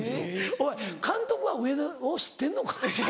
おい監督は上田を知ってるのか？